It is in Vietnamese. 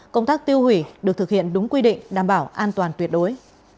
công tác tiêu hủy được thực hiện đúng quy định đảm bảo an toàn tuyệt đối